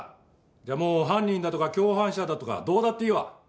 じゃあもう犯人だとか共犯者だとかどうだっていいわ。